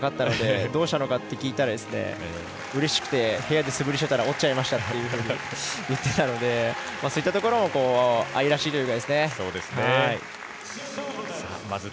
次の日に持ってきてなかったのでどうしたのかって聞いたらうれしくて部屋で素振りしてたら折っちゃいましたと言っていたのでそういったところも愛らしいというか。